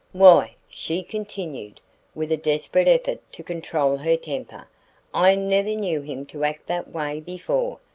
"Why!" she continued, with a desperate effort to control her temper. "I never knew him to act that way before.